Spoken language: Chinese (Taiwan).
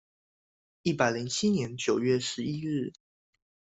一百零七年九月十一日